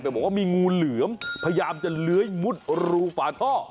บอกว่ามีงูเหลือมพยายามจะเลื้อยมุดรูฝาท่อ